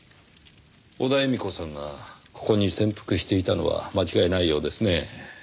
小田絵美子さんがここに潜伏していたのは間違いないようですね。